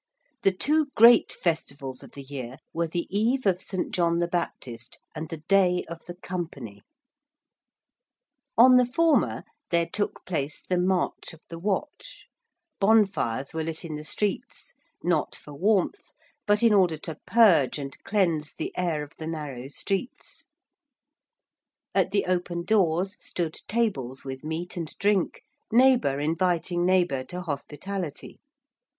The two great festivals of the year were the Eve of St. John the Baptist and the Day of the Company. [Illustration: SHOOTING AT THE BUTTS WITH THE LONG BOW.] On the former there took place the March of the Watch. Bonfires were lit in the streets, not for warmth but in order to purge and cleanse the air of the narrow streets: at the open doors stood tables with meat and drink, neighbour inviting neighbour to hospitality.